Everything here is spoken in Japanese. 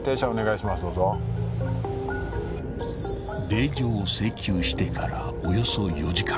［令状を請求してからおよそ４時間］